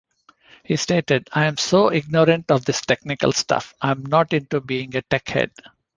He stated, I'm so ignorant of this technical stuff...I'm not into being a tech-head.